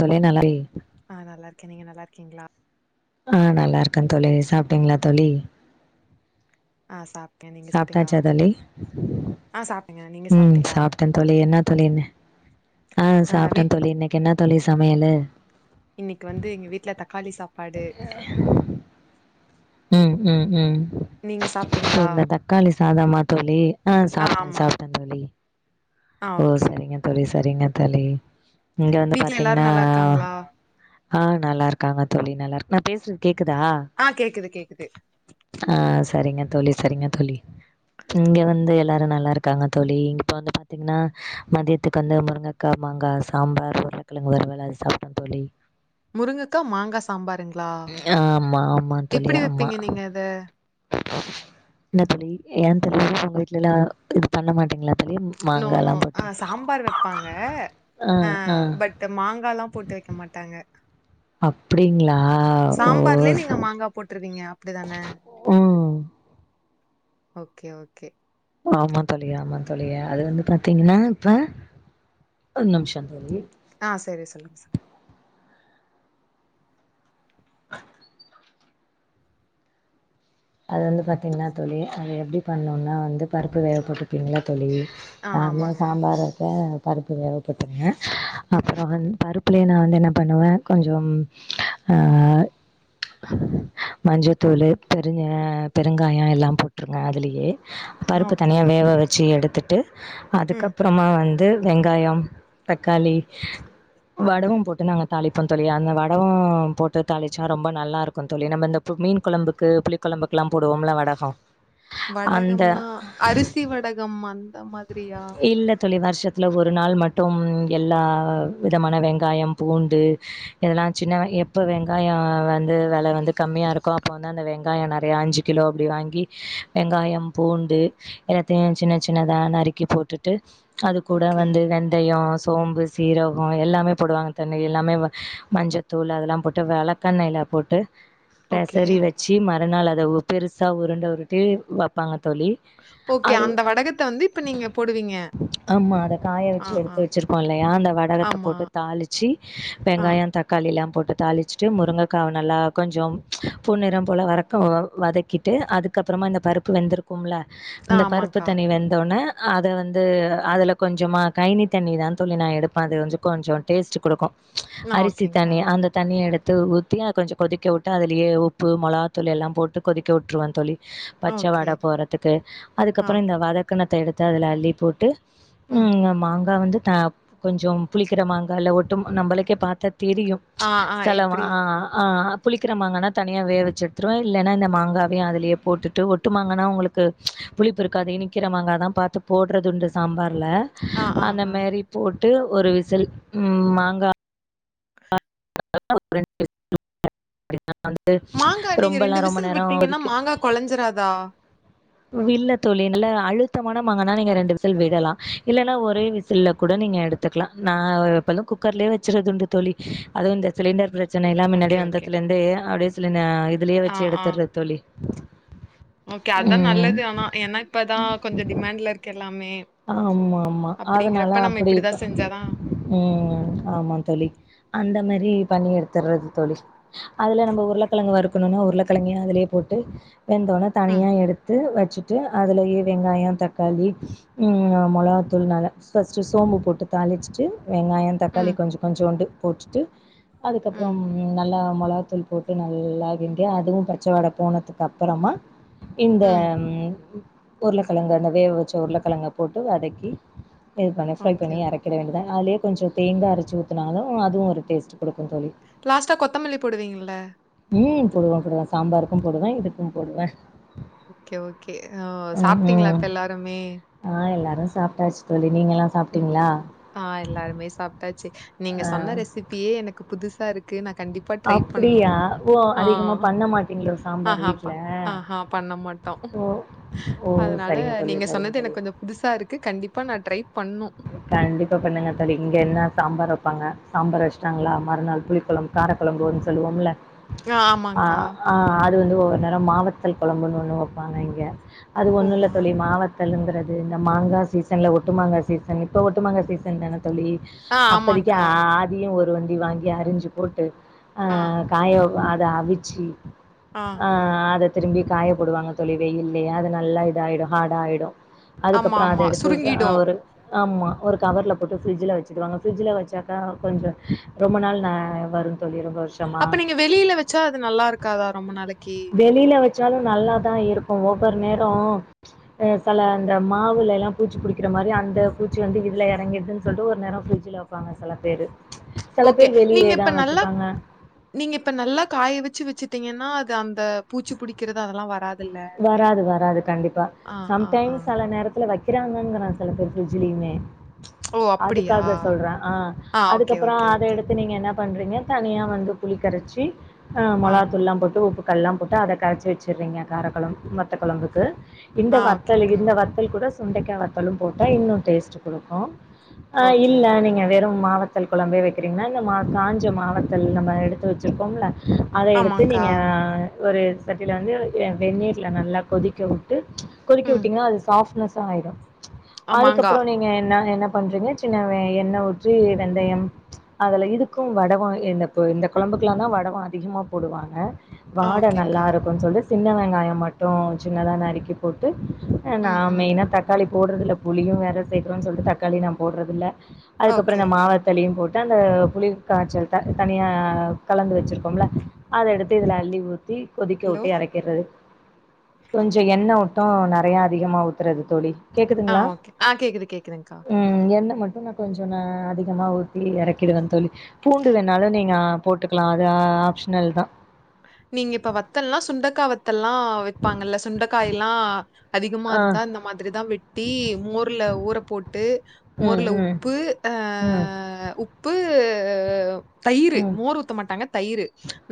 தோழி நலாயி நா நல்லாருக்கே நீங்க நல்லாருக்கீங்ளா ஆ நல்லாருக்கே தோழி சாப்டிங்ளா தோழி ஆ சாப் சாப்டாச்சா தோழி ஆ சாப்டங்க நீங் ம் சாப்ட தோழி என்னா தோழின் ஆ சாப்ட தோழி இன் என்னா தோழி சமையலு இன்னைக்கு வந்து எங்க வீட்ல தக்காளி சாப்பாடு ம் ம் ம் நீங்க ஓ சாப்டிங்ளா இந்த தக்காளி சாதமா தோழி ஆ சாப்ட ஆமாங்க. சாப்ட தோழி ஆ ஓ ஓகே. செரிங்க தோழி செரிங்க தோழி இங்க வந்து வீட்ல எல்லாரும் பாத்தீங்ன்னா நல்லா இருக்காங்களா? ஆ நல்லாருக்காங்க தோழி நல்லாருக்கு நா பேசுறது கேக்குதா ஆ கேக்குது கேக்குது ஆ சரிங்க தோழி சரிங்க தோழி இங்க வந்து எல்லாரு நல்லாருக்காங்க தோழி இப்ப வந்து பாத்திங்கன்னா மதியத்துக்கு வந்து முருங்கைக்கா மாங்கா சாம்பார் உருளைக்கிழங்கு வறுவல் அது சாப்ட்ட தோழி முருங்கக்கா, மாங்கா சாம்பாருங்களா? ம் ஆமா ஆமா தோழி எப்படி ஆமா வைப்பீங்க நீங்க அத? என்ன தோழி ஏ தோழி உங்க வீட்லலா இது பண்ண மாட்டிங்ளா தோழி நோ நோ மாங்காலாம் ஆ போட்டு? சாம்பார் வப்பாங்க ஆ பட் இந்த மாங்காலா போட்டு வக்க மாட்டாங்க அப்டிங்ளா ஓ ச போட்ருவீங்க அப்டிதான ம். ஓகே ஓகே ஆமா தோழி ஆமா தோழி அது வந்து பாத்தீங்ன்னா இப்ப ஒரு நிமிஷ தோழி ஆ செரி சொல்லுங்க சொல்லுங்க அது வந்து பாத்தீங்ன்னா தோழி அது எப்டி பண்ணுனா வந்து பருப்பு வேகப்போட்ருப்பீங்கள தோழி ஆ கால்ல ஆமாங்க. சாம்பார் வக்க பருப்பு வேகப்போட்ருங்க ம். அப்பற வந்து பருப்புலயே நா வந்து என்ன பண்ணுவ கொஞ்சம் ஆ மஞ்சத்தூளு பெ அரி அ பெருங்காயோ எல்லா போட்ருங்க அதுலயே ஆ பருப்பு ஓகே. தனியா வேவ வச்சி எடுத்துட்டு ம். அதுக்கப்புறமா வந்து வெங்காயம் தக்காளி வடகம் போட்டு நாங்க தாழிப்போ தோழி அந்த வடகம் போட்டு தாழிச்சா ரொம்ப நல்லா இருக் போம் தோழி நம்ம இந்த இப்ப மீன் குழம்புக்கு புளி குழம்புக்குல்லா போடுவோம்ல வடகோ வடகம்னா அரிசி வடகம் அந்த மாதிரியா இல்ல தோழி வருஷத்தில ஒரு நாள் மட்டும் எல்லா விதமான வெங்காயம் பூண்டு இதெல்லா சின்ன எப்ப வெங்காய வந்து வெல வந்து கம்மியா இருக்கோ அப்போ வந்து அந்த வெங்காய வெங்காயம் நெறயா அஞ்சு கிலோ அப்டி வாங்கி வெங்காயம் பூண்டு எல்லாத்தையு சின்ன சின்னதா நறுக்கி போட்டுட்டு அது கூட ஓகே, வந்து வெந்தய சோம்பு சீரக எல்லாமே போடுவாங்க தண்ணி எல்லாமே மஞ்சத்தூள் அதெல்லா போட்டு விளக்கண்ணெல போட்டு ஓகே, பெசறி வச்சு மறுநாள் அத பெருசா உருண்ட உருட்டி வப்பாங்க தோழி ஓகே அது அந்த வடகத்த வந்து இப்ப நீங்க போடுவீங்க ஆமா அத காய ஆ, வச்சி ஆ. எடுத்து வச்சிருக்கோ இல்லையா அந்த வடகத்த ஆமா. போட்டு தாளிச்சி ஆ, வெங்காயோ தக் களில்லா போட்டு தாளிச்சிட்டு முருங்கைக்காவ நல்லா கொஞ்சம் பொண்ணிரம் போல வரக்க வதக்கிட்டு அதுக்கப்றமா இந்த பருப்பு வெந்திரு போம்ல ஆ அந்த பருப்பு ஆமாங்க்கா. தனி வெந்தோன அத வந்து அதுல கொஞ்சமா கைனி தண்ணி தான் தோழி நா எடுப்ப அது வந்து கொஞ்சோ டேஸ்ட்டு குடுக்கு ஆ அரிசி ஓகேங்க்கா. தண்ணி அந்த தண்ணிய எடுத்து ஊத்தி அத கொஞ்சோ கொதிக்க உட்டு அதுலயே உப்பு மொளகாதூளு எல்லா போட்டு கொதிக்க விட்ருவ தோழி பச்ச வாட ஓகே, போறதுக்கு ஆ அதுக்கப்புறோ ஓகே. இந்த வத க்கனத்த எடுத்து அதில அள்ளி போட்டு ம். மாங்கா வந்து கொஞ்சம் புளிக்கிற மாங்கால ஒட்டு மாங் நம்மளுக்கே பாத்தா தெரியும் ஆ, ஆ செலவா எப்படி? ஆ ஆ புளிக்கிறமாங்கன்னா தனியா வே வச் செத்ரு இல்லன்னா இந்த மாங்காவே அதிலயே போட்டுட்டு ஒட்டுமாங்கனா உங்களுக்கு புளிப்பு இருக்காது இனிக்கிற மாங்கா தா பாத்து போடுறதுண்டு சாம்பார்ல ஆ, ஆ, அந்த ஆ. மாரி போட்டு ஒரு விசில் ம் மாங்கா [inaudible] வந்து ரொம்பல்லா ரொம்ப நேரோ ஒதிக்கி கொலஞ்சிராதா இல்ல தோழி நல்ல அழுத்தமான மாங்கனா நீங்க ரெண்டு விசில் விடலா இல்லன்னா ஒரே விசில்ல கூட நீங்க எடுத் துக்கலா நா எப்பது குக்கர்லயே வச்சுறதுண்டு தோழி அதுவு இந்த சிலிண்டர் பிரச் ச்சனைலா ஓகே, மின்னாடியே ஓகே. வந்ததுல இருந்தே அப்டியே சில ந இதுலயே ஆ, வச்சி ஆ. எடுத்துர்றது தோழி ஓகே அதா ம். நல்லது ஆனா ஏன்னா இப்பதா கொஞ்சோ டிமண்ட்ல இருக்கு எல்லாமே ஆமாமா அதனால அப்படிங்கிறப்ப நம்ம அப்டி இப்ப இப்படிதான் செஞ்சா தான் ம் ஆமா தோழி அந்த மாரி பண்ணி எடுத்துடுறது தோழி அதுல நம்ம உருளக்கழங்கு வறுக்கணுனா உருளக்கிழங்கயு அதுலயே போட்டு வெந்தோன ம், தனியா எடுத்து வச்சுட்டு அதுலயே வெங்காயோ தக்காளி ம் ஆ மொளகாத்தூள் நால ஃபஸ்ட்டு சோம்பு போட்டு தாழிச்சிட்டு வெங்காயோ தக்காளி ம், கொஞ்சோ கொஞ்சோண்டு போட்டுட்டு ம், அதுக்கப்புறம் நல்லா மொளகாத்தூள் போட் நல்லா கிண்ட அதுவு பச்ச வாட போனதுக்கு அப்றமா இந்த ம். உருளக்கெழங்கு அந்த வேக வச்ச உருளக்கெழங்க போட்டு வதக்கி இது பண்ணி ஃப்ரை ஓகே. பண்ணி எறக்கிட வேண்டியதா அதுலயே கொஞ்சோ தேங்கா அரச்சி ஊத்துனாலு அதுவு ஒரு டேஸ்ட்டு குடுக்கு தோழி லாஸ்ட்டா கொத்தமல்லி போடுவீங்கல்ல ம் போடுவே போடுவ சாம்பாருக்கு போடுவ இதுக்கு போடுவ ஓகே ஓகே ஓ சாப்ட்டீங்களா ம் இப்ப எல்லாருமே ஆ எல்லாரு சாப்ட்டாச்சு தோழி நீங்கல்லா ம். சாப்ட்டீங்ளா ஆ எல்லாருமே சாப்ட்டாச்சி நீங்க ஆ சொன்ன ரெசிபியே எனக்கு புதுசா இருக்கு நா கண்டிப்ப பா ட்ரை பண்ணு அப்டியா ஓ ஆ அதிகமா பண்ண மாட்டீங்களோ சாம்பார் ஆஹாப்பா வீட்ல ஆஹா பண்ண மாட் டோ ஓ ஓ அதனால சரிங்க தோழி நீங்க சரிங்க சொன்னது தோழி எனக்கு கொஞ்சோ புதுசா இருக்கு கண்டிப்பா நா ட்ரை பண்ணு கண்டிப்பா பண்ணுங்க தோழி இங்க என்ன சாம்பார் வெப்பாங்க சாம்பார் வச்சிட்டாங்ளா மறுநாள் புளி கொழம்பு காரக்குழம்புன்னு சொல்லுவோம்ல ஆ ஆ அது வந்து ஒ நேரம் மாவத்தல் கொழம்புன்னு ஒண்ணு வெப்பாங்க இங்க அது ஒண்ணுல்ல ஓமா. தோழி மாவத் தலுங்கிறது இந்த மாங்கா சீசன்ல ஒட்டு மாங்காய் சீசன் இப்ப ஒட்டுமாங்காய் சீசன் தான தோழி ஆ அப்போதைக்கு ஆமாங்க்கா. ஆ ஆதியையு ஒரு வண்டி வாங்கி அரிஞ்சு போட்டு ஆ காயோ அத அவிச்சி ஆஹ் ஆ அத திரும்பி காயப்போடுவாங்க தோழி வெயில்லையே அது நல்லா இதாயிடு ஹார்டா ஆய்டு ஆமா, அதுக்கப்றோ அத ஆமா. எடுத்து ஆ சுருங்கிடும். ஒரு ஆமா ஒரு கவர்ல போட்டு ஃபிரிட்ஜ்ல வச்சுடுவாங்க ஃபிரிட்ஜ்ல வச்சாக்கா கொஞ்சோ ரொம்ப நாள் நா வரு தோழி ரொம்ப வருஷமா. அப்ப நீங்க வெளில வச்சா அது நல்லா இருக்காதா ரொம்ப நாளைக்கி வெளில வச்சாலு நல்லா தா இருக்கு ஒவ்வொரு நேரோ அ செல அந்த மாவுலல்லா பூச்சி புடிக்கிற மாரி அந்த பூச்சி வந்து இதுல எறங்கிதுனு சொல்ட்டு ஒரு நேரோ ஃப்ரிட்ஜில் வப்பாங்க செல பேரு செல ஓகே. பேரு நீங்க வெளிலேதா இப்ப நல்லா வச்சுப்பாங்க நீங்க இப்ப நல்லா காய வச்சு வச்சுட்டீங்கனா அது அந்த பூச்சி புடிக்கிறது அதெல்லா வராது வராது வராது கண்டிப்பா ஆ, ஆ. சம்டைம்ஸ் செல நேரத் சிலர் வைக்கிறாங்கன்கிறே சில பேர் ஃபிரிட்ஜலயுமே ஓ! அப்படியா? அதுக்காக சொல்றே ஆஹ் ஆ ஓகே, அதுக்கப்பறோ ஓகே, அத ஓகே. எடுத் து நீங்க என்ன பண்றீங்க தனியா வந்து புளி கரச்சி அ ஆ, மொளாத்தூள்ல்லா போட்டு உப்பு கல்லாம் போட்டு அத கரைச்சி வச்சிறீங்க காரகொழம்பு வத்த கொழம்புக்கு இந்த ஆ வத்தல் ஓகேங்க்கா. இந்த வத் வத்தல் கூட சுண்டைக்கா வத்தாலு போட்டா இன்னு டேஸ்ட்டு குடுக்கு ஆ ஓகே, இல்ல ஓகே. நீங்க வெறும் மாவத் தல் கொழம்பே வைக்கிறீங்கனா இந்த மா காஞ்ச மாவத்தல் நம்ம எடுத்து வச்சருக்கோம்ல அத எடுத்து ஆமாங்க்கா. நீங்க ஒரு சட்டில வந்து ய வெநீர்ல நல்லா கொதிக்க விட்டு கொதிக்க ம். விட்டீங்கனா அது சாஃப்ட்னஸா ஆயிரு ஆ மாங்கா. அதுக்கப்பறோ நீங்க என்ன என்ன பண்றீங்க சின்ன வெ எண்ணெ ஊற்றி வெந்தயம் அதுல இதுக்கு வடவோ இந்த இந்த குழம்புக்கெல்லா தா வடகோ அதிகமா போடுவாங்க ஆ வாட நல்லா ஓகேங்க்கா. இருக்குன்னு சொல்ட்டு சின்ன வெங்காய மட்டு சின்னதா நறுக்கி போட்டு அ நா ம், ம். மெயினா தக்காளி போடுறது இல்ல புளியு வேற சேக்குறோன்னு சொல்ட்டு தக்காளி நா போடுறது இல்ல அதுக்கப்பறோ ஓகே, இந்த ஓகே. மாவத்தலையு போட் டு அந்த புளி காய்ச்சல் தா தனியா கலந்து வச்சிருக்கோம்ல அது எடுத்து இதுல அள்ளி ஊத்தி கொதிக்க ஹலோ? வுட்டே‌ எறக்கறது கொஞ்சோ எண்ணெ மட்டு நெறையா அதிகமா ஊத்தறது தோழி ஆ கேக்குதுங்களா ஓகே. ஆ கேக்குது, கேக்குதுங்க்கா. ம் எண்ணெ மட்டு நா கொஞ்ச நா அதிகமாக ஊத்தி எறக்கிடுவே தோழி பூண்டு வேணாலு நீங்க போட்டுக்கலா அது ஆப்ஷனல் தா நீங்க இப்ப வத்தல்ல்லா சுண்டக்கா வத்தெல்லா வப்பாங்கல்ல சுண்டைக்காயெல்லா அதிகமா ஆ. இருந்தா இந்த மாதிரிதா வெட்டி மோர்ல ஊற போட்டு ம், மோர்ல ம், உப்பு ம், ஆஹ் உப் உப்பு தயிரு ம், மோர் ஊத்த மாட்டாங்க தயிரு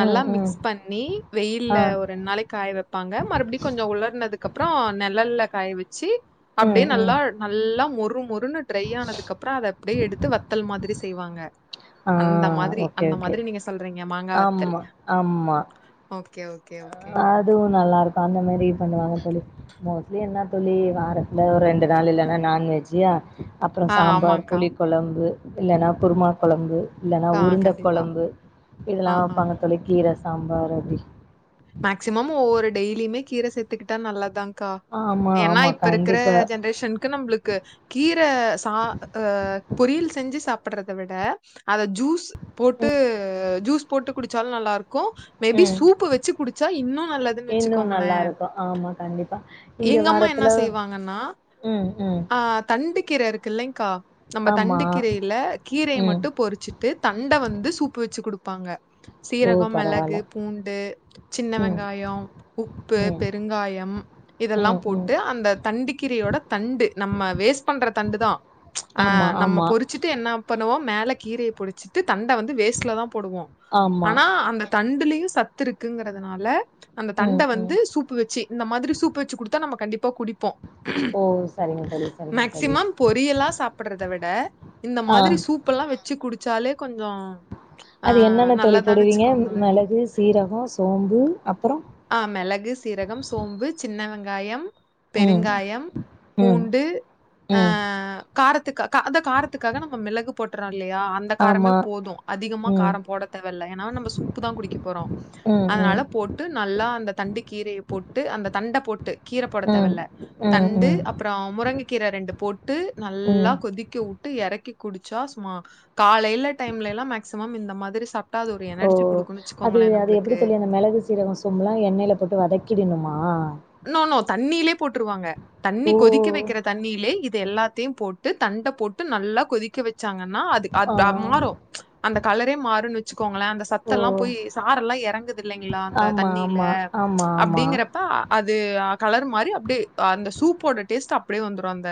நல்லா ம், ம். மிக்ஸ் பண்ணி வெயில்ல ஆ. ஒரு ரெண்டு நாளைக்கு காய வப் ப்பாங்க மறுபடிகொஞ்சோ உளர்னதுக்குப்புறோ நிழல்ல காய வச்சு ம், அப்டியே ம். நல்லா நல்லா மொறு மொறுன்னு ட்ரை ஆனதுக்கு அப்பறோ அத அப்டியே எடுத்து வத்தல் மாரி செய்வாங்க ஆ அந்த மாதிரி ஓகே, அந்த மாதிரி நீங்க சொல்றீங்க மாங்க வத்தல் ஆம்மா ஓகே ஓ அ அதுவு நல்லா இருக்கு அந்த மாரி பண்ணுவாங்க தோழி மோஸ்ட்லி என்ன தோழி வாரத்துல ஒரு ரெண்டு நாள் இல்லலனா நான் வெஜ்ஜூ அ அப்றோ ஆ சாம்பார் ஆமாங்க்கா. புளி கொழம்பு இல்லன்னா குருமா கொழம்பு இல்லன்னா ஆ உருண்ட கண்டிப்பா. கொழம்பு ஆ, இதெல்லா ஆ. பண்ணே தோழி கீர சாம்பார் அப்டி மேக்சிமம் ஒவ்வொரு டெய்லியுமே கீர சேத்துக்கிட்டா நல்லாதாங் க்கா ஆமா, ஏனா ஆமா. இப்ப இருக்கற கண்டிப்பா. ஜென்ரேஷனுக்கு நம்ளுக்கு கீர சா அ பொரியல் செஞ்சு சாப்றத விட அத ஜூஸ் போட்டு ஜூஸ் போட்டு குடிச்சாலு நல்லாருக்கு மேபி ம். சூப்பு வெச்சு இன்னு நல்லதுன்னு இன்னும் வச்சுக்கோங்களே நல்லாருக்கும். ஆமா, கண்டிப்பா. இங்க எங்கம்மா என்ன வாரத்துல செய்வாங்கன்னா ம் ம் ஆ தண்டு கீர இருக்கு இல்லைங்க்கா நம்ம ஆமா. தண்டு கீரையில கீரைய ம். மட்டு பொறிச்சிட்டு தண்ட வந்து சூப்பு வெச்சு குடுப்பாங்க ஓ! சீரகம் பரவால்ல. மெளகு பூண்டு சின்ன ம், வெங்காயோ உப்பு ம், பெருங்காயம் ம், இதெல்லாம் ம். போட்டு அந்த தண்டு கீரையோட தண்டு நம்ம வேஸ்ட் பண்ற தண்டுதா ஆமா ஆமா ச்சுட்டு என்ன பண்ணுவோம் மேல கீரைய பொடிச்சிட்டு தண்ட வந்து வேஸ்ட்ல தா போடுவோ ஆமா. ஆனா அந்த தண்டுலயு சத்து இருக்குங்கறதுனால அந்த தண்ட ம், ம். வந்து சூப்பு வெச்சு இந்த மாதிரி சூப்பு வெச்ச குடுத்தா நம்ம கண்டிப்பா குடிப்போ ஓ! சரிங்க தோழி, சரிங்க தோழி. மேக்சிமம் பொரியலா சாப் படறத விட இந்த ஆ. மாதிரி சூப்பெல்லா வச்சு குடிச்சாலே கொஞ்சோ அது என்னென்ன தோழி போடுவீங்க மிளகு சீரகம் சோம்பு அப்பறோ ஆ மிளகு சீரகம் சோம்பு சின்ன வெங்காயம் ம், பெருங்காயம் ம், பூண்டு ஆ ம். காரத்துக்க அதா காரத்துக்காக நம்ம மெளகு போட்றோ இல்லையா அந் அந்த காரமே ஆமா. போது அதிகமா ம், காரம் போட தேவயில்ல ஏனா நம்ம சூப்பு தா குடிக்க போறோ ம் ம், அதனால போட்டு நல்லா அந்த தண்டு கீரைய போட்டு அந்த தண்ட போட்டு கீர போட ம், தேவல்ல ம், தண்டு ம், அப்றோ முருங்கைக்கீர ரெண்டு போட்டு நல்லா ம். கொதிக்கவு வுட்டு‌ எறக்கி குடிச்சா சும்மா காலைல டைம்லல்லா மேக்சிமம் இந்த மாதிரி சாப் டா அது ஒரு ஓ! எனர்ஜி குடுக்குன்னு அது வச்சுக்கோங்ளே நம் அது எப்டி தோழி அந்த மெளகு சீரகோ சோம்ல்லா எண்ணெயில போட்டு வதக்கிடணுமா நோ நோ தண்ணியிலே போட்ருவாங்க ஓ! தண்ணி கொதிக்க வைக்கிற தண்ணியிலே இது எல்லாத்தையு போட் ட்டு தண்ட போட்டு நல்லா கொதிக்க வெச்சாங்கன்னா அது ஆ, அத் மாறும் அந்த கலரே மாறுன்னு வெச்சுக்கோங்ளே அந்த ஓ! சத்தெல்லா போய் சாரெல்லா இறங்குது இல்லைங்ளா அந்த ஆமா, தண்ணியில ஆமா, ஆமா, ஆமா. அப்டிங்றப்ப ஆ அது கலர் மாறி அப்டியே அந்த சூப்போட டேஸ்ட் அப்டியே வந்துரு அந்த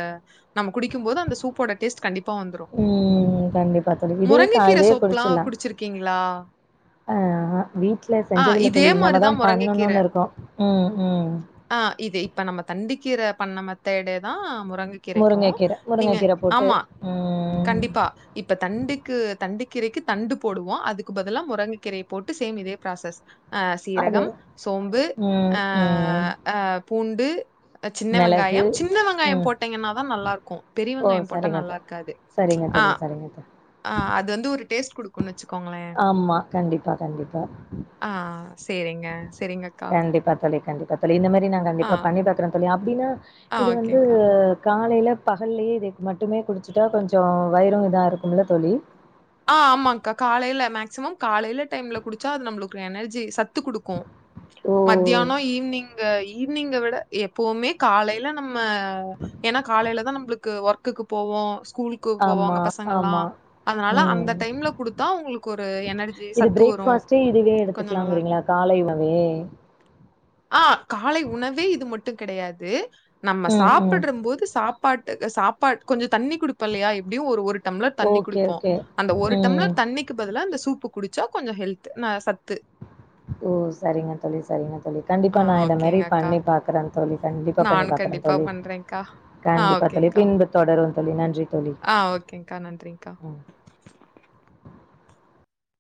நம்ம குடிக்கம் போது அந்த சூப்போட டேஸ்ட் கண்டி ப்பா வந்துரு ம். கண்டிப்பா தோழி. இதே சா முருங்கைக்கீர இதே சூப்ல்லா குறிச்சிடலாம். குடிச்சிருக்கீங்ளா ஆ ஹ வீட்ல செஞ்சதில்ல இதே தோழி மாரி இன்னமதா தான் முருங்கைக்கீரை. பண்ணணுனு இருக்கோ ம் ம் ஆ இது இப்ப நம்ம தண்டு கீர பண்ண மெத்தேடே தா முரங்கக் கீரைக்கு முருங்கைக்கீர நீங்க முருங்கைக்கீர போட்டு ஆமா ம். கண்டிப்பா இப்ப தண்டுக்கு தண்டு கீரைக்கு தண்டு போடுவோ அதுக்கு பதுல்லா முரங்கக் கீரய போட்டு சேம் இதே ப்ராசஸ் ஆ அது சீரகம் சோம்பு ம், ஆ ம். ஆ பூண்டு சின்ன மிளகு வெங்காயம் சின்ன வெங்காயம் ம். போட்டீங்கன்னாதா நல்லாருக்கு பெரிய வெங்காயம் போட்டா நல்லாருக்காது செரிங்க தோழி செரிங்க தோ ஆ அது வந்து ஒரு டேஸ்ட் குடுக் ஆமா கண்டிப்பா கண்டிப்பா ஆ சேரிங்க செரிங்கக்கா கண்டிப்பா தோழி கண்டிப்பா தோழி இந்த மாரி நா ஆ கண்டிப்பா பண்ணி பாக்கறன் தோழி அப்டினா ஆ இது வந்து ஓகேங்க்கா. காலைல பகல்லயே இதுக்கு மட்டுமே குடிச்சிட்டா கொஞ்சோ வயிறு இதா இருக்குமல்ல தோழி ஆ ஆமான்க்கா காலைல மேக்சிமம் காலைல டைம்ல குடிச்சா அது நம்மளுக்கு எனர்ஜி சத்து குடுக்கு ஓ! மத்தியானோ ஈவ்னிங்கு ஈவினிங்க விட எப்புமே காலைல நம்ம ஏனா காலைலதா நம்மளுக்கு ஒர்க்குக்கு போவோ ஸ்கூலு க்கு ஆமா, போவாங்க பசங்கல்லா ஆமா. அதனால அ அந்த ம். டைம்ல குடுத்தா உங்களுக்கு ஒரு எனர்ஜி இது சத்து வரு பிரேக்ஃபாஸ்ட்டே இதுவே கொஞ்சோ நல்லா இருக்கு எடுத்துக்கலாங்கிறீங்களா? காலை உணவே? ஆ காலை உணவே இது மட்டு கெடையாது நம்ம ம், ம். சாப்பிடுறும்போது சாப்பாட்டுக் சாப்பாடு கொஞ்சோ தண்ணி குடுப்போ இல்லயா எப்டியு ஒரு ஒரு டம்ளர் தண்ணி ஓகே, குடிப்போ ஓகே. அந்த ஒரு ம். டம்ளர் தண் ணிக்கு பதிலா இந்த சூப்பு குடிச்சா கொஞ்சோ ஹெல்த் நா சத்து ஓ சரிங்க தோழி சரிங்க தோழி ஆ கண்டிப்பா நா இத மாரி ஓகேங்க அக்கா பண்ணி பாக்கறன் தோழி கண்டிப்பா பண்ணி நான் பாக்கறன் கண்டிப்பா தோழி பண்றேன்க்கா ஆ கண்டிப்பா தோழி ஓகேங்கா பின்பு தொடருந் தோழி நன்றி தோழி ஆ ஓகேங்க்கா நன்றிங்க்கா ம்.